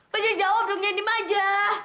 bajak jawab dong diem aja